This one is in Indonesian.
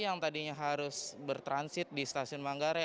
yang tadinya harus bertransit di stasiun manggarai